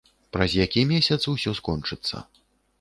Праз які месяц усё скончыцца.